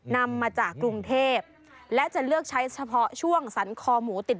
นำมาจากกรุงเทพและจะเลือกใช้เฉพาะช่วงสรรคอหมูติด